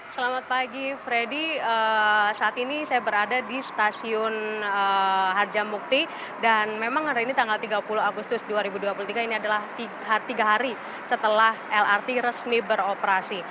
selamat pagi freddy saat ini saya berada di stasiun harjamukti dan memang hari ini tanggal tiga puluh agustus dua ribu dua puluh tiga ini adalah tiga hari setelah lrt resmi beroperasi